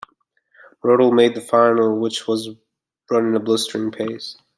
Rodal made the final, which was run in a blistering pace.